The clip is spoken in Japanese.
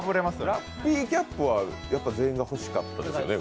ラッピーキャップは全員が欲しかったですよね？